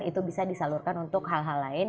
itu bisa disalurkan untuk hal hal lain